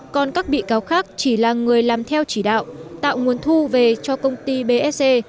còn các bị cáo khác chỉ là người làm theo chỉ đạo tạo nguồn thu về cho công ty bsc